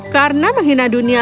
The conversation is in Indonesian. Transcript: karena menghina dunia